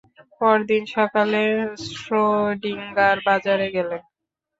পরদিন সকালে শ্রোডিঙ্গার বাজারে গেলেন।